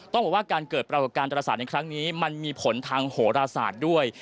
ต้องบอกว่าการเกิดปรากฏการณศาสตร์ในครั้งนี้มันมีผลทางโหรศาสตร์ด้วย